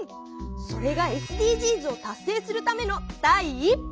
それがＳＤＧｓを達成するための第一歩！